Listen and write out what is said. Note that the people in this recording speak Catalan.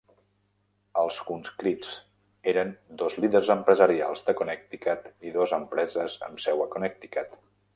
Els conscrits eren dos líders empresarials de Connecticut i dos empreses amb seu a Connecticut.